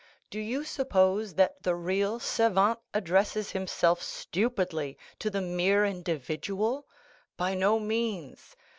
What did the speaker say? "Do you suppose that the real savant addresses himself stupidly to the mere individual? By no means.